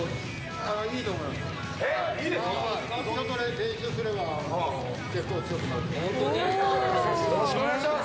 練習すれば結構強くなると思います。